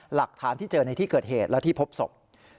หลักฐานที่เจอในที่เกิดเหตุและที่พบศพ